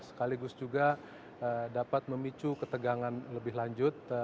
sekaligus juga dapat memicu ketegangan lebih lanjut